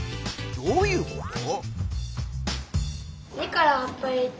どういうこと？